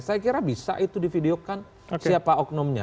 saya kira bisa itu divideokan siapa oknumnya